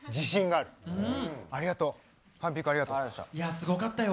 すごかったよ